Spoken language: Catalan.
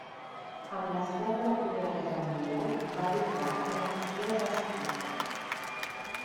Amb l'esclat de la Primera Guerra Mundial, va adoptar una postura pacifista.